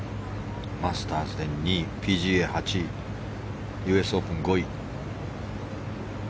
マスターズで２位ＰＧＡ、８位ＵＳオープン、５位。